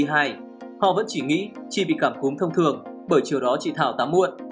họ vẫn chỉ nghĩ chi vì cảm cúm thông thường bởi chiều đó chị thảo tám muộn